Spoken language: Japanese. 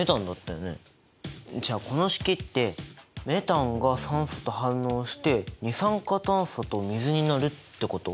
じゃあこの式ってメタンが酸素と反応して二酸化炭素と水になるってこと？